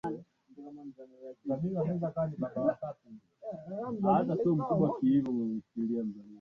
Mpango na tabia ya Mturuki haswa kizazi cha zamani